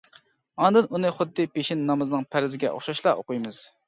ئاندىن، ئۇنى خۇددى پېشىن نامىزىنىڭ پەرزىگە ئوخشاشلا ئوقۇيمىز.